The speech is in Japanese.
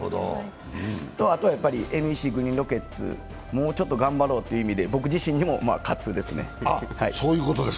あとはＮＥＣグリーンロケッツ、もうちょっと頑張ろうという意味で、僕自身にも喝ですね。